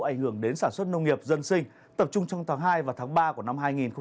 ảnh hưởng đến sản xuất nông nghiệp dân sinh tập trung trong tháng hai và tháng ba của năm hai nghìn hai mươi